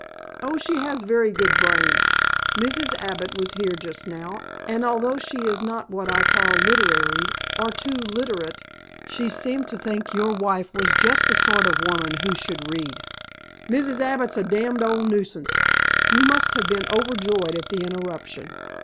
"Oh, she has very good brains. Mrs. Abbott was here just now, and although she is not what I should call literary or too literate she seemed to think your wife was just the sort of woman who should read." "Mrs. Abbott's a damned old nuisance. You must have been overjoyed at the interruption.